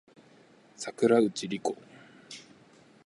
桜内梨子